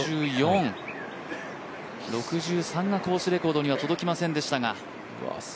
６３がコースレコードには届きませんでしたが。